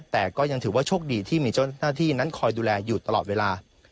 แต่ยังเช่นถึงช่วงดีที่เจ้าหน้าที่นั่นมีความดูแลอยู่ตลอดเวลา